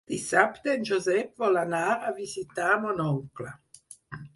Dissabte en Josep vol anar a visitar mon oncle.